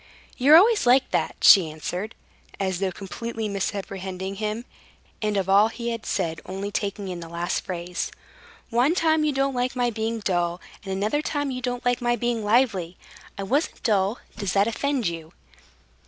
"You're always like that," she answered, as though completely misapprehending him, and of all he had said only taking in the last phrase. "One time you don't like my being dull, and another time you don't like my being lively. I wasn't dull. Does that offend you?"